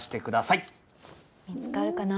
見つかるかな？